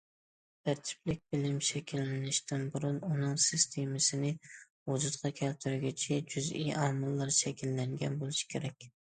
تەرتىپلىك بىلىم شەكىللىنىشتىن بۇرۇن ئۇنىڭ سىستېمىسىنى ۋۇجۇدقا كەلتۈرگۈچى جۈزئىي ئامىللار شەكىللەنگەن بولۇشى كېرەك.